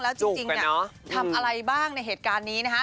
แล้วจริงทำอะไรบ้างในเหตุการณ์นี้